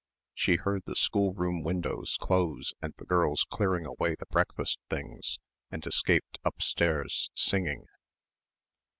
She heard the schoolroom windows close and the girls clearing away the breakfast things and escaped upstairs singing.